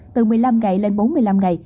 từ một mươi năm ngày lên bốn mươi năm ngày